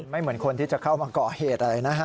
เหมือนคนที่จะเข้ามาก่อเหตุอะไรนะฮะ